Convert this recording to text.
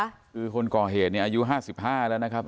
คือคนก่อเหตุเนี่ยอายุห้าสิบห้าแล้วนะครับ